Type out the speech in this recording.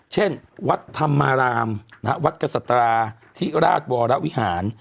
เช่นวัดธรรมารามนะฮะวัดกษัตราที่ราชบอละวิหาร